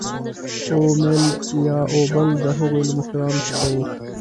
اومیل یا اوبل د هغوی له مشرانو څخه وو.